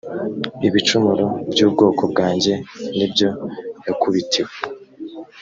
ibicumuro by’ubwoko bwanjye ni byo yakubitiwe